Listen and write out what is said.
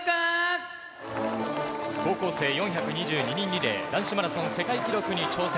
高校生４２２人リレー、男子マラソン世界記録に挑戦。